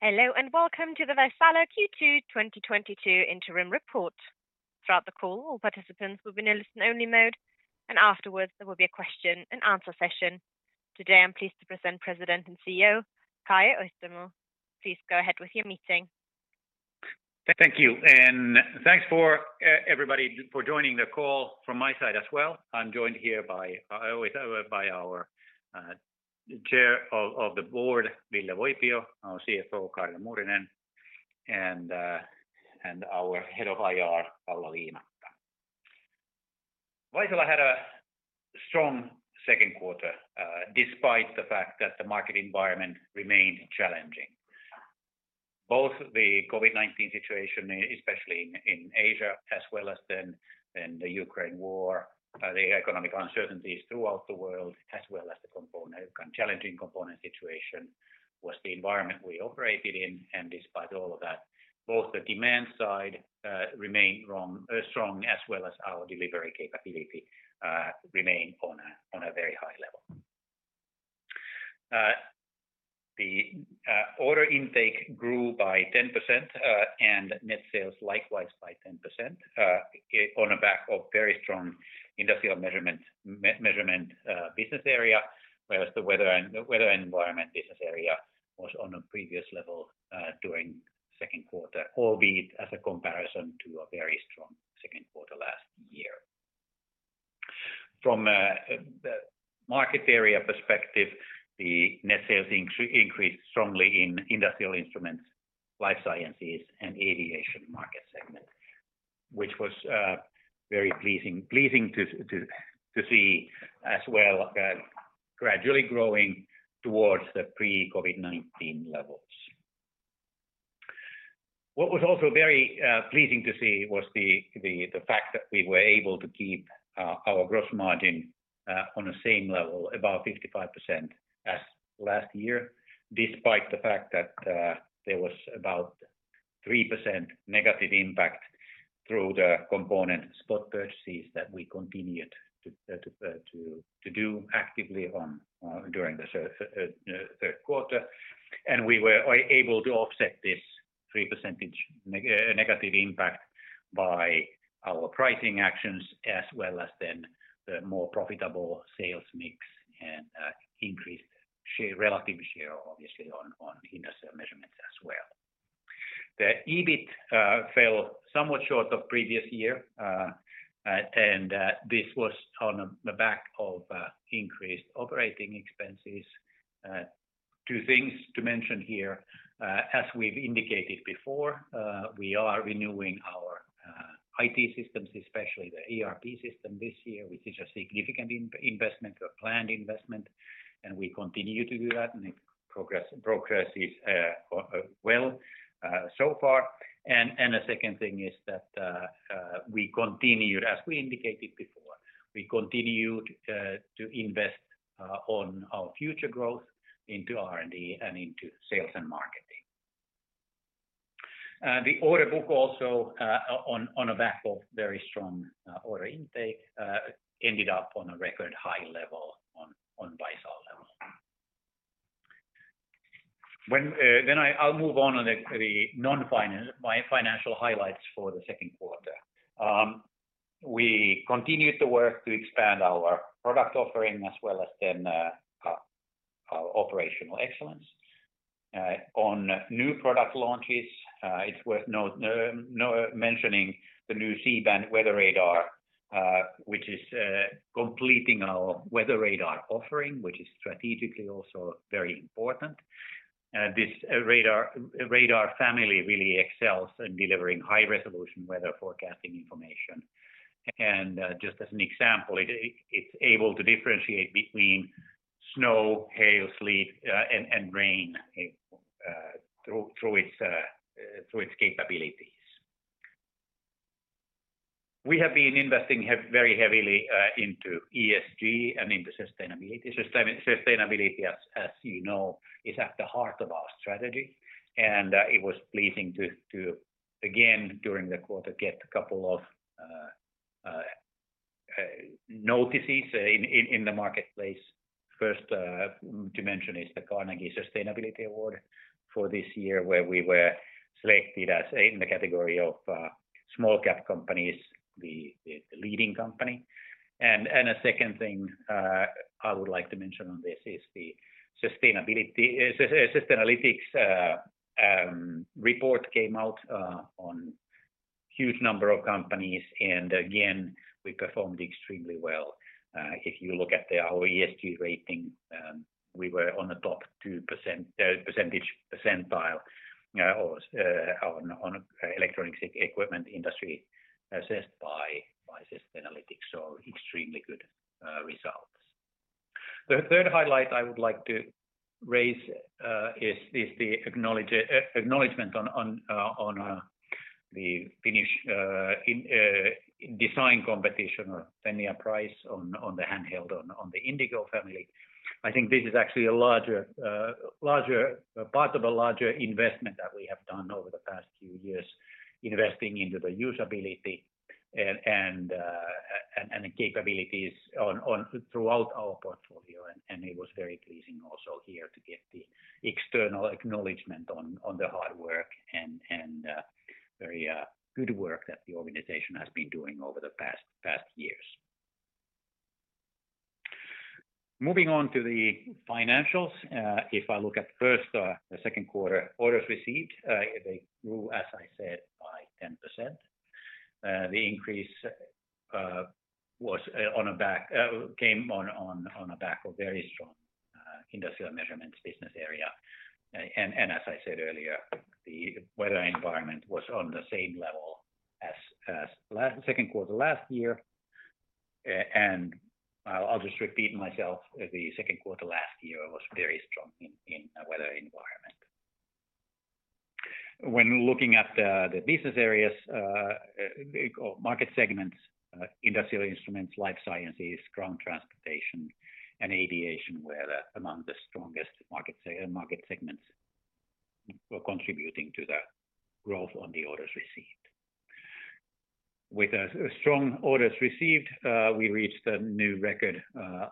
Hello, and welcome to the Vaisala Q2 2022 interim report. Throughout the call, all participants will be in listen-only mode, and afterwards there will be a question and answer session. Today, I'm pleased to present President and CEO, Kai Öistämö. Please go ahead with your meeting. Thank you. Thanks for everybody for joining the call from my side as well. I'm joined here by our chair of the board, Ville Voipio, our CFO, Kaarina Muurinen, and our head of IR, Paula Liimatta. Vaisala had a strong second quarter despite the fact that the market environment remained challenging. Both the COVID-19 situation, especially in Asia, as well as then the Ukraine war, the economic uncertainties throughout the world, as well as the challenging component situation was the environment we operated in. Despite all of that, both the demand side remained strong, as well as our delivery capability remained on a very high level. The order intake grew by 10%, and net sales likewise by 10%, on the back of very strong industrial measurement business area, whereas the weather environment business area was on a previous level during second quarter, albeit as a comparison to a very strong second quarter last year. From the market area perspective, the net sales increased strongly in industrial instruments, life sciences and aviation market segment, which was very pleasing to see as well, gradually growing towards the pre-COVID-19 levels. What was also very pleasing to see was the fact that we were able to keep our gross margin on the same level, about 55% as last year, despite the fact that there was about 3% negative impact through the component spot purchases that we continued to do actively during the third quarter. We were able to offset this 3 percentage point negative impact by our pricing actions as well as then the more profitable sales mix and increased relative share, obviously on industrial measurements as well. The EBIT fell somewhat short of previous year and this was on the back of increased operating expenses. Two things to mention here. As we've indicated before, we are renewing our IT systems, especially the ERP system this year, which is a significant investment, a planned investment, and we continue to do that, and it progresses well so far. The second thing is that we continued, as we indicated before, to invest on our future growth into R&D and into sales and marketing. The order book also, on the back of very strong order intake, ended up on a record high level on Vaisala. Well, then I'll move on to the non-financial highlights for the second quarter. We continued the work to expand our product offering as well as our operational excellence. On new product launches, it's worth mentioning the new C-band Weather Radar, which is completing our weather radar offering, which is strategically also very important. This radar family really excels in delivering high resolution weather forecasting information. Just as an example, it's able to differentiate between snow, hail, sleet, and rain through its capabilities. We have been investing very heavily into ESG and into sustainability. Sustainability, as you know, is at the heart of our strategy. It was pleasing to again, during the quarter, get a couple of notices in the marketplace. First to mention is the Carnegie Sustainability Award for this year, where we were selected, in the category of small cap companies, the leading company. A second thing I would like to mention on this is the sustainability Sustainalytics report came out on a huge number of companies, and again, we performed extremely well. If you look at our ESG rating, we were in the top 2% 2nd percentile in the electronics equipment industry assessed by Sustainalytics. Extremely good results. The third highlight I would like to raise is the acknowledgement in the Finnish design competition or Fennia Prize on the handheld in the Indigo family. I think this is actually a larger part of a larger investment that we have done over the past few years. Investing in the usability and the capabilities throughout our portfolio. It was very pleasing also here to get the external acknowledgement on the hard work and very good work that the organization has been doing over the past years. Moving on to the financials. If I look first at the second quarter orders received, they grew, as I said, by 10%. The increase came on the back of very strong industrial measurements business area. As I said earlier, the weather environment was on the same level as second quarter last year. I'll just repeat myself, the second quarter last year was very strong in weather environment. When looking at the business areas or market segments, industrial instruments, life sciences, ground transportation, and aviation were among the strongest market segments contributing to the growth in the orders received. With a strong orders received, we reached a new record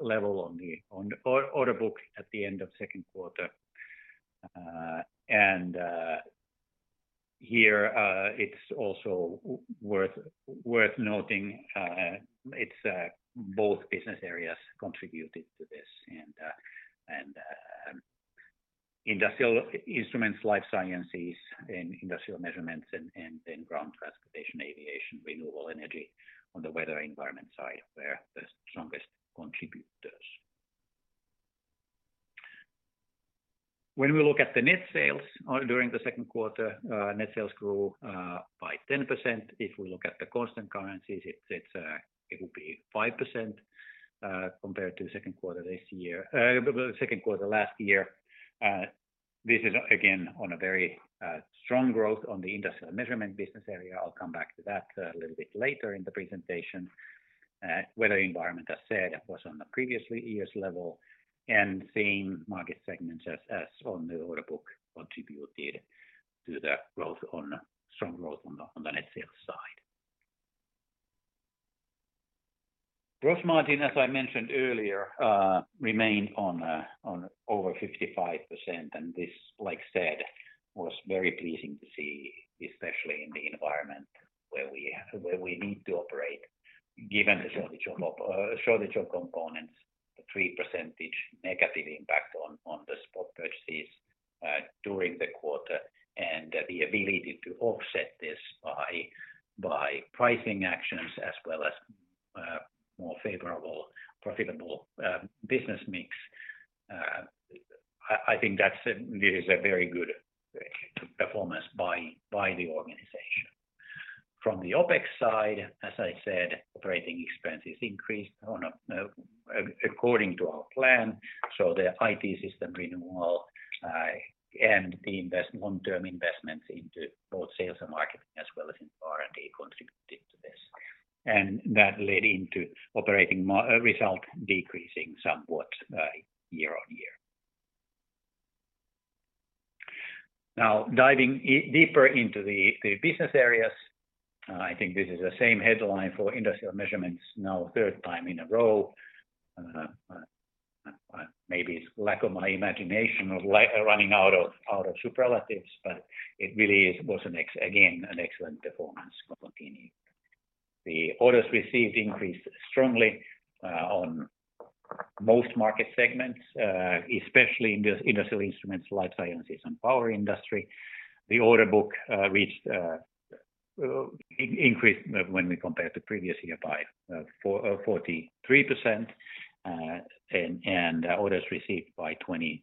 level on the order book at the end of second quarter. Here, it's also worth noting, it's both business areas contributed to this. Industrial instruments, life sciences and industrial measurements, and then ground transportation, aviation, renewable energy on the weather environment side were the strongest contributors. When we look at the net sales in the second quarter, net sales grew by 10%. If we look at the constant currencies, it would be 5%, compared to second quarter last year. This is again on a very strong growth on the industrial measurement business area. I'll come back to that a little bit later in the presentation. Weather environment, as said, was on the previous year's level, and same market segments as on the order book contributed to the strong growth on the net sales side. Gross margin, as I mentioned earlier, remained on over 55%. This, like said, was very pleasing to see, especially in the environment where we need to operate, given the shortage of components, the 3% negative impact on the spot purchases during the quarter, and the ability to offset this by pricing actions as well as more favorable, profitable business mix. I think it is a very good performance by the organization. From the OpEx side, as I said, operating expenses increased according to our plan. The IT system renewal and the long-term investments into both sales and marketing as well as in R&D contributed to this. That led into operating result decreasing somewhat year-on-year. Now, diving deeper into the business areas, I think this is the same headline for industrial measurements now a third time in a row. Maybe it's lack of my imagination or running out of superlatives, but it really was again an excellent performance continuing. The orders received increased strongly on most market segments, especially industrial instruments, life sciences, and power industry. The order book increased when we compare to previous year by 43%, and orders received by 24%.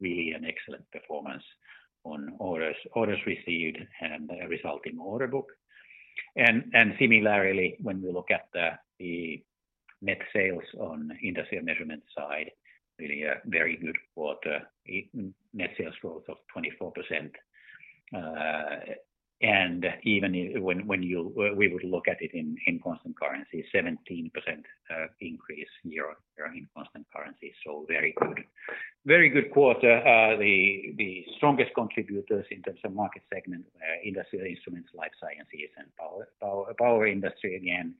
Really an excellent performance on orders received and the result in order book. Similarly, when we look at the net sales on industrial measurement side, really a very good quarter. Net sales growth of 24%. Even when we would look at it in constant currency, 17% increase year-on-year in constant currency. Very good. Very good quarter. The strongest contributors in terms of market segment, industrial instruments, life sciences, and power industry again.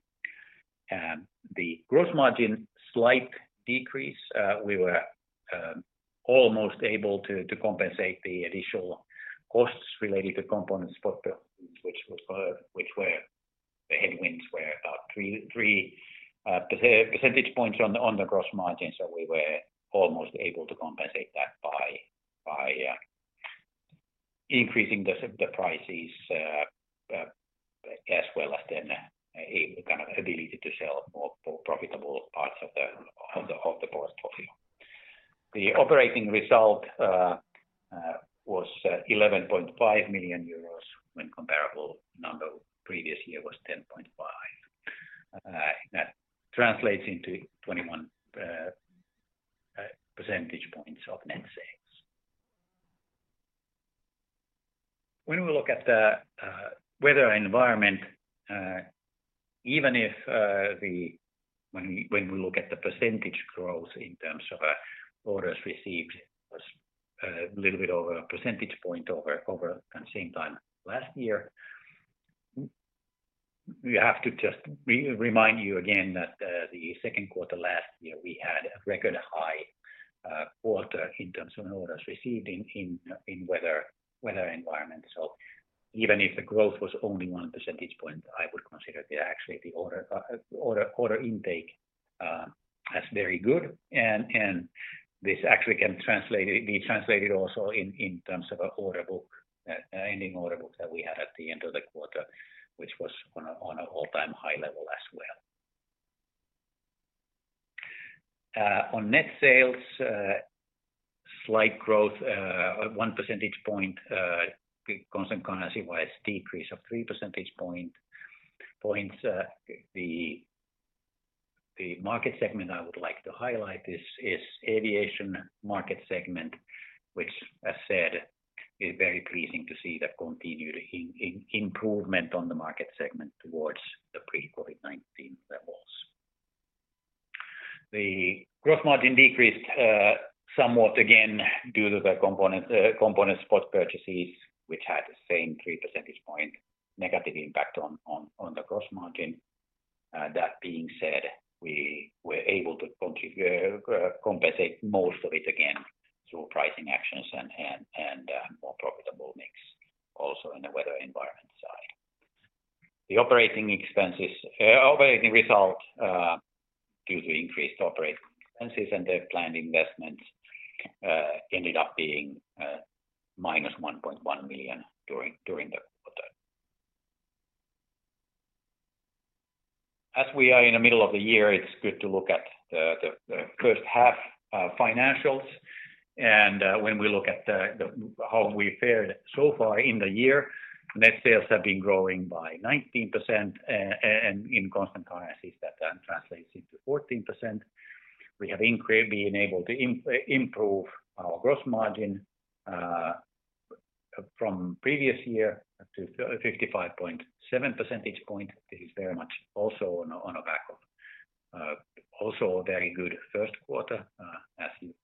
The gross margin, slight decrease. We were almost able to compensate the additional costs related to components spot purchase. The headwinds were about 3 percentage points on the gross margin. We were almost able to compensate that by increasing the prices as well as a kind of ability to sell more profitable parts of the product portfolio. The operating result was 11.5 million euros when comparable number previous year was 10.5 million. That translates into 21 percentage points of net sales. When we look at the weather environment, even if the percentage growth in terms of orders received was a little bit over a percentage point over the same time last year. We have to just remind you again that the second quarter last year, we had a record high quarter in terms of orders received in weather environment. Even if the growth was only 1 percentage point, I would consider the actual order intake as very good. This actually can be translated also in terms of order book, ending order book that we had at the end of the quarter, which was on an all-time high level as well. On net sales, slight growth of 1 percentage point, constant currency-wise, decrease of 3 percentage points. The market segment I would like to highlight is aviation market segment, which as said, is very pleasing to see the continued improvement on the market segment towards the pre-COVID-19 levels. The gross margin decreased somewhat again due to the component spot purchases, which had the same 3 percentage points negative impact on the gross margin. That being said, we were able to compensate most of it again through pricing actions and more profitable mix also in the weather environment side. The operating result, due to increased operating expenses and the planned investments, ended up being -1.1 million during the quarter. As we are in the middle of the year, it's good to look at the first half financials. When we look at how we fared so far in the year, net sales have been growing by 19%, and in constant currencies that translates into 14%. We have been able to improve our gross margin from previous year up to 55.7 percentage point. This is very much also on the back of also a very good first quarter, as you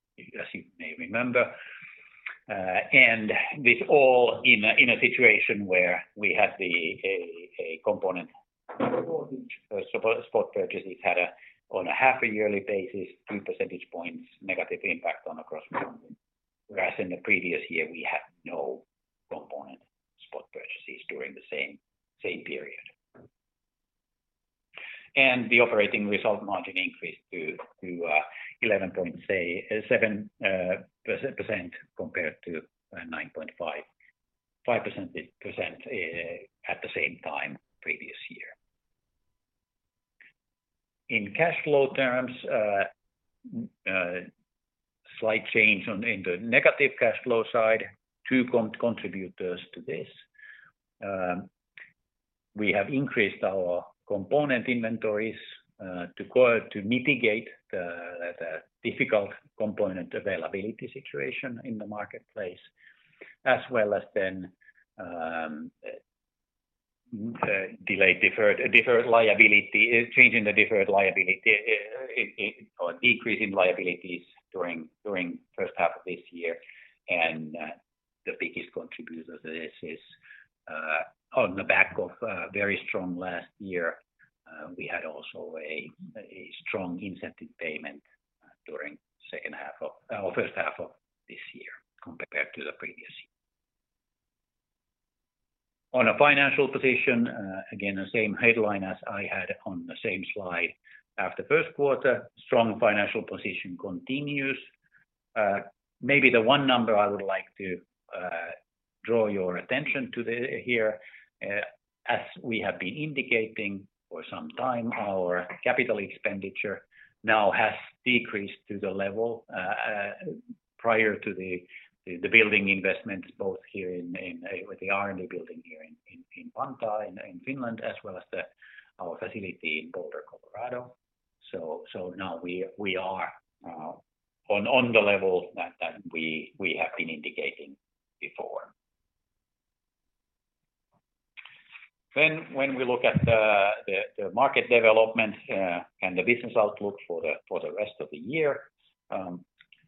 may remember. This all in a situation where we had a component spot purchases had a on a half-yearly basis, 3 percentage points negative impact on the gross margin, whereas in the previous year, we had no component spot purchases during the same period. The operating result margin increased to 11.7% compared to 9.5% at the same time previous year. In cash flow terms, slight change in the negative cash flow side. Two contributors to this. We have increased our component inventories to mitigate the difficult component availability situation in the marketplace, as well as a change in the deferred liability, or decrease in liabilities during first half of this year. The biggest contributor to this is on the back of very strong last year. We had also a strong incentive payment during first half of this year compared to the previous year. On a financial position, again, the same headline as I had on the same slide after first quarter. Strong financial position continues. Maybe the one number I would like to draw your attention to here, as we have been indicating for some time, our capital expenditure now has decreased to the level prior to the building investments, both here in with the R&D building here in Vantaa, in Finland, as well as our facility in Boulder, Colorado. Now we are on the level that we have been indicating before. When we look at the market development and the business outlook for the rest of the year,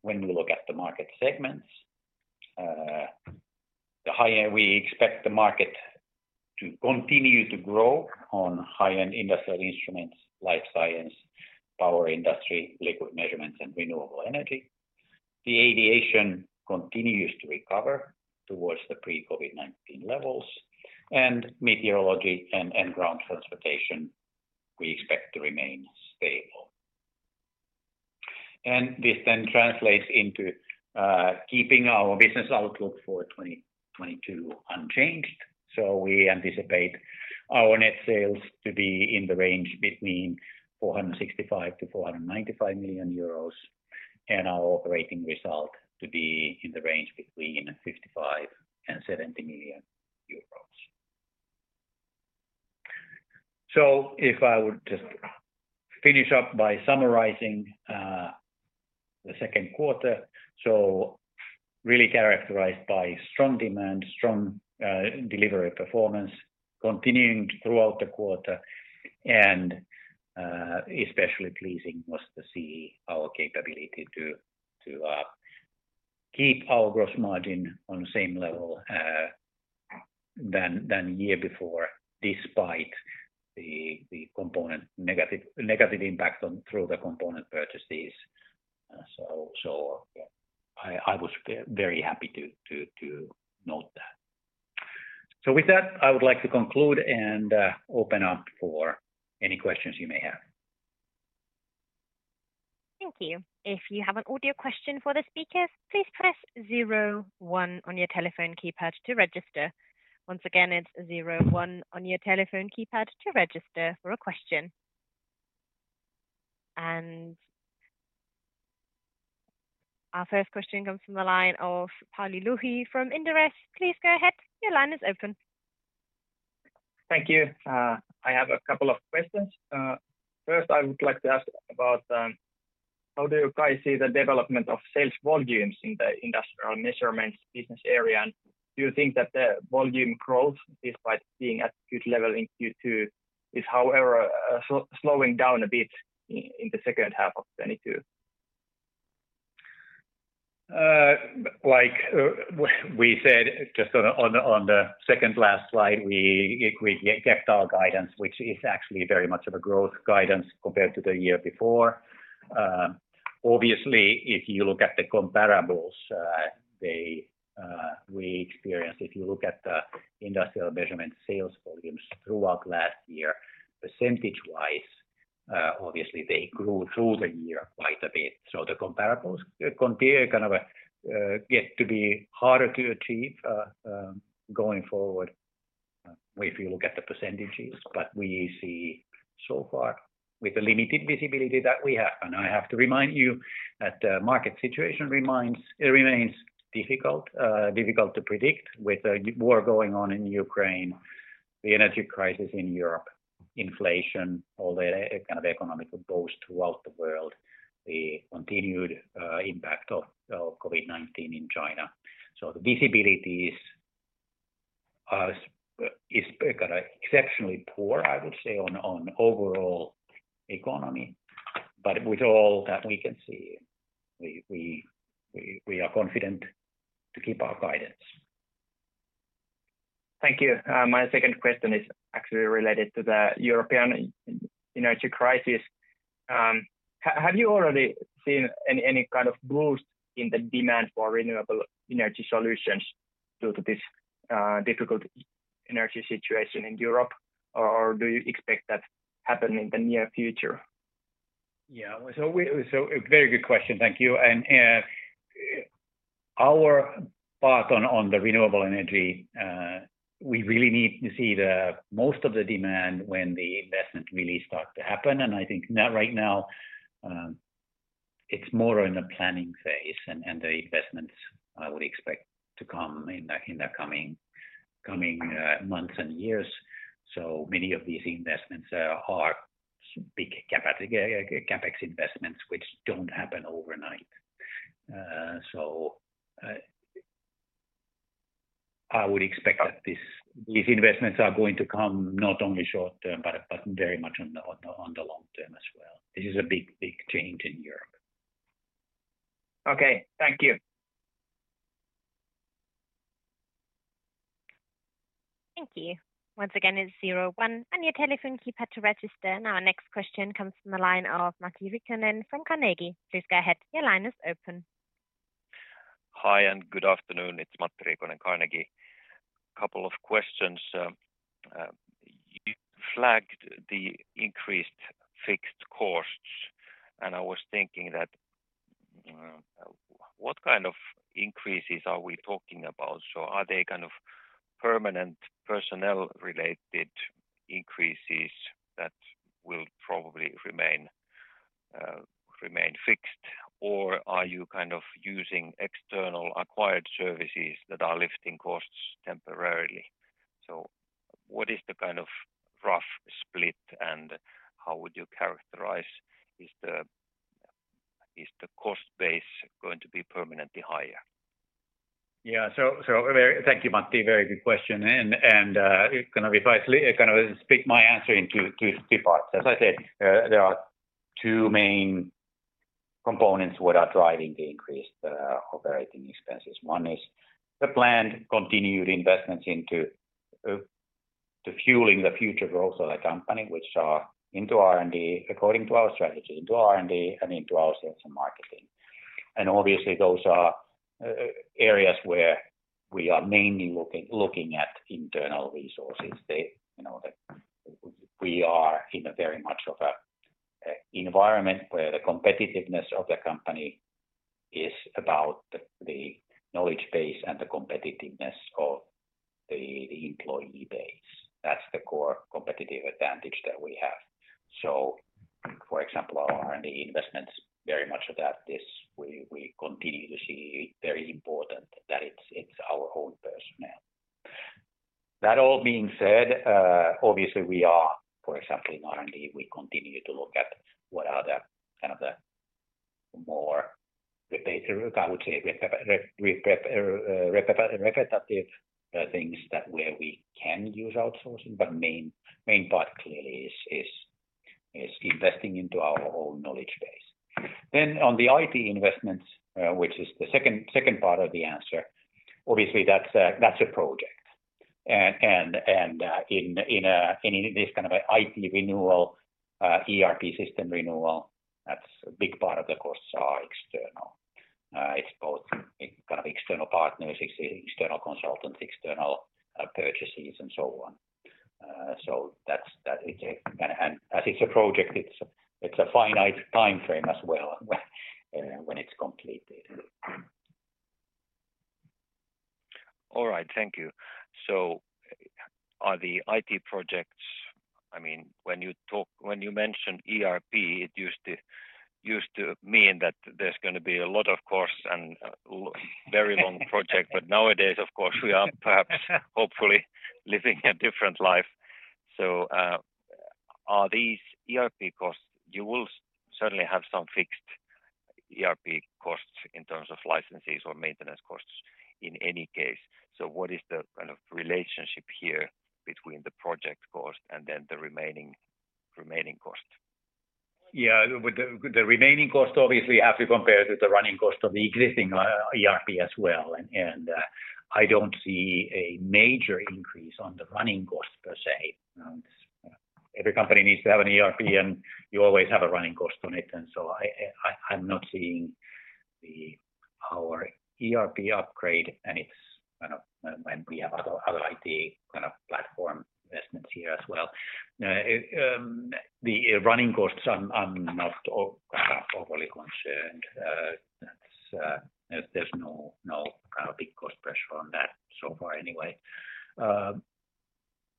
when we look at the market segments, the high-end we expect the market to continue to grow on high-end industrial instruments, life science, power industry, liquid measurements, and renewable energy. The aviation continues to recover towards the pre-COVID-19 levels. Meteorology and ground transportation, we expect to remain stable. This then translates into keeping our business outlook for 2022 unchanged. We anticipate our net sales to be in the range between 465 million and 495 million euros, and our operating result to be in the range between 55 million and 70 million euros. If I would just finish up by summarizing, the second quarter really characterized by strong demand, strong delivery performance continuing throughout the quarter. Especially pleasing was to see our capability to keep our gross margin on the same level than year before, despite the component negative impact through the component purchases. I was very happy to note that. With that, I would like to conclude and open up for any questions you may have. Thank you. If you have an audio question for the speakers, please press zero one on your telephone keypad to register. Once again, it's zero one on your telephone keypad to register for a question. Our first question comes from the line of Pauli Lohi from Inderes. Please go ahead. Your line is open. Thank you. I have a couple of questions. First, I would like to ask about how do you guys see the development of sales volumes in the industrial measurements business area? Do you think that the volume growth, despite being at good level in Q2, is however slowing down a bit in the second half of 2022? Like we said, just on the second last slide, we kept our guidance, which is actually very much of a growth guidance compared to the year before. Obviously, if you look at the comparables, we experienced, if you look at the industrial measurement sales volumes throughout last year, percentage-wise, obviously they grew through the year quite a bit. The comparables get to be harder to achieve going forward, if you look at the percentages. We see so far with the limited visibility that we have, and I have to remind you that the market situation it remains difficult to predict with a war going on in Ukraine, the energy crisis in Europe, inflation, all the kind of economic woes throughout the world, the continued impact of COVID-19 in China. The visibility is kinda exceptionally poor, I would say, on overall economy. With all that we can see, we are confident to keep our guidance. Thank you. My second question is actually related to the European energy crisis. Have you already seen any kind of boost in the demand for renewable energy solutions due to this difficult energy situation in Europe? Do you expect that to happen in the near future? Yeah. A very good question. Thank you. Our part on the renewable energy, we really need to see the most of the demand when the investment really start to happen. I think now, right now, it's more in a planning phase and the investments I would expect to come in the coming months and years. Many of these investments are big CapEx investments which don't happen overnight. I would expect that these investments are going to come not only short-term, but very much on the long-term as well. This is a big change in Europe. Okay. Thank you. Thank you. Once again, it's zero one on your telephone keypad to register. Now, our next question comes from the line of Matti Riikonen from Carnegie. Please go ahead. Your line is open. Hi, and good afternoon. It's Matti Riikonen, Carnegie. Couple of questions. You flagged the increased fixed costs, and I was thinking that, what kind of increases are we talking about? Are they kind of permanent personnel-related increases that will probably remain fixed? Or are you kind of using external acquired services that are lifting costs temporarily? What is the kind of rough split, and how would you characterize, is the cost base going to be permanently higher? Thank you, Matti, very good question. I kind of split my answer into two parts. As I said, there are two main components that are driving the increased operating expenses. One is the planned continued investments into fueling the future growth of the company, which are into R&D, according to our strategy, into R&D and into our sales and marketing. Obviously, those are areas where we are mainly looking at internal resources. You know, we are in a very competitive environment where the competitiveness of the company is about the knowledge base and the competitiveness of the employee base. That's the core competitive advantage that we have. For example, our R&D investments, very much of that, we continue to see very important that it's our own personnel. That all being said, obviously we are, for example, in R&D, we continue to look at what are the kind of the more representative things where we can use outsourcing. Main part clearly is investing into our own knowledge base. On the IT investments, which is the second part of the answer, obviously that's a project. In this kind of a IT renewal, ERP system renewal, that's a big part of the costs are external. It's both kind of external partners, external consultants, external purchases and so on. That's a. As it's a project, it's a finite timeframe as well when it's completed. All right. Thank you. Are the IT projects? I mean, when you mention ERP, it used to mean that there's gonna be a lot, of course, and very long project. Nowadays, of course, we are perhaps hopefully living a different life. Are these ERP costs? You will certainly have some fixed ERP costs in terms of licenses or maintenance costs in any case. What is the kind of relationship here between the project cost and then the remaining cost? Yeah. With the remaining cost, obviously you have to compare with the running cost of the existing ERP as well. I don't see a major increase on the running cost per se. Every company needs to have an ERP, and you always have a running cost on it. I'm not seeing our ERP upgrade, and it's kind of when we have other IT kind of platform investments here as well. The running costs, I'm not overly concerned. That's. There's no kind of big cost pressure on that so far anyway.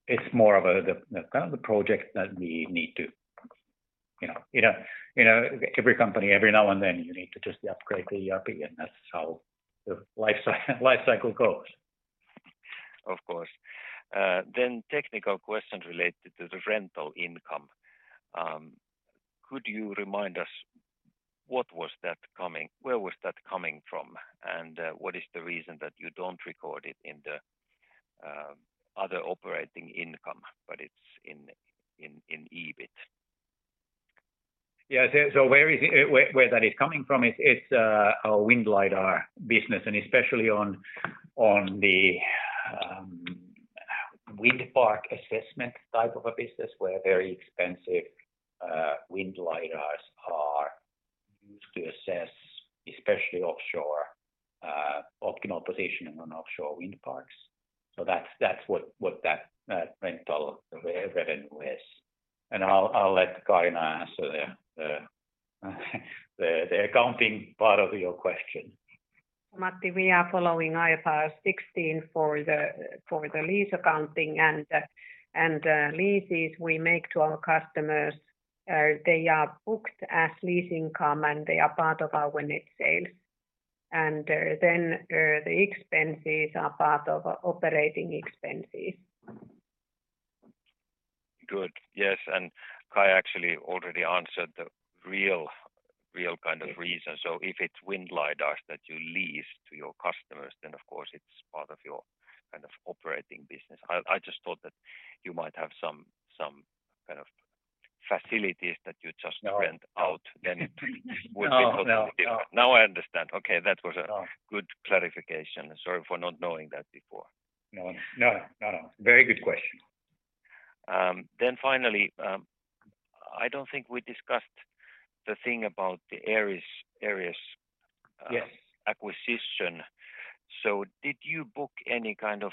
It's more of a kind of project that we need to, you know. You know, every company, every now and then, you need to just upgrade the ERP, and that's how the life cycle goes. Of course. Technical question related to the rental income. Could you remind us what was that coming? Where was that coming from? What is the reason that you don't record it in the other operating income, but it's in EBIT? Where that is coming from is our wind LiDAR business, and especially the wind park assessment type of a business, where very expensive wind LiDARs are used to assess, especially offshore, optimal positioning on offshore wind parks. That's what that rental revenue is. I'll let Kaarina answer the accounting part of your question. Matti, we are following IFRS 16 for the lease accounting. Leases we make to our customers, they are booked as lease income, and they are part of our wind net sales. The expenses are part of operating expenses. Good. Yes. Kai actually already answered the real kind of reason. If it's wind LiDARs that you lease to your customers, then of course it's part of your kind of operating business. I just thought that you might have some kind of facilities that you just rent out, then it would be totally different. No. Now I understand. Okay, that was a good clarification, and sorry for not knowing that before. No, no. Very good question. Finally, I don't think we discussed the thing about the Aerius. Yes. Acquisition. Did you book any kind of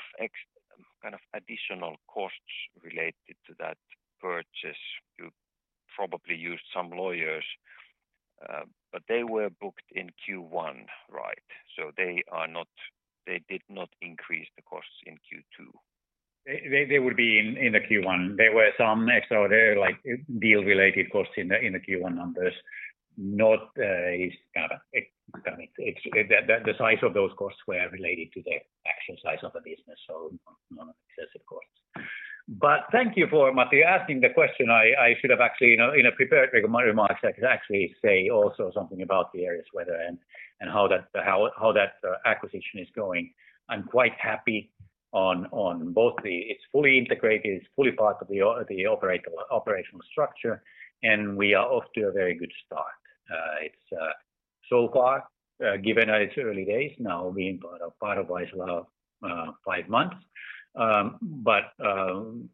additional costs related to that purchase? You probably used some lawyers, but they were booked in Q1, right? They did not increase the costs in Q2. They would be in the Q1. There were some extraordinary like deal related costs in the Q1 numbers. I mean, it's the size of those costs were related to the actual size of the business, so not excessive costs. Thank you for, Matti, asking the question. I should have actually, you know, in my prepared remarks, I could actually say also something about the Speedwell Climate and how that acquisition is going. I'm quite happy on both. It's fully integrated, it's fully part of the operational structure, and we are off to a very good start. It's so far, given that it's early days now being part of Vaisala, five months, but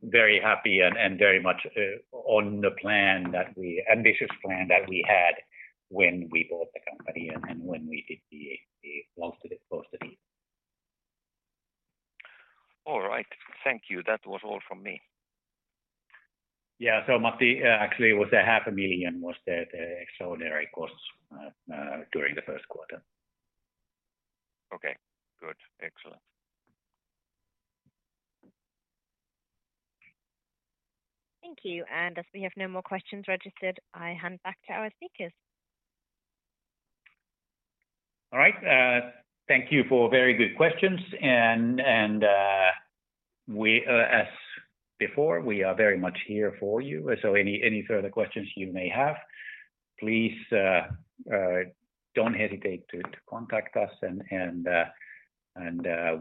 very happy and very much on the ambitious plan that we had when we bought the company and when we did the. All right. Thank you. That was all from me. Yeah. Matti, actually it was 500,000 was the extraordinary costs during the first quarter. Okay, good. Excellent. Thank you. As we have no more questions registered, I hand back to our speakers. All right. Thank you for very good questions. As before, we are very much here for you. Any further questions you may have, please, don't hesitate to contact us, and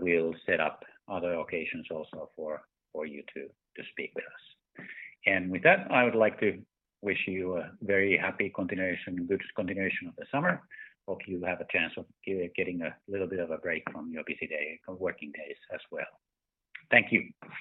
we'll set up other occasions also for you to speak with us. With that, I would like to wish you a very happy continuation, good continuation of the summer. Hope you have a chance of getting a little bit of a break from your busy day, working days as well. Thank you. Yes.